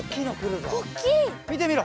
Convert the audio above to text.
みてみろ。